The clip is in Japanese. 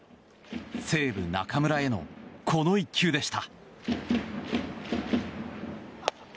西武、中村へのこの一球でした。